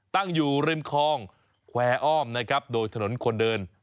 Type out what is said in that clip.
ตั้งอยู่ริมคลองแควร์อ้อมนะครับโดยถนนคนเดิน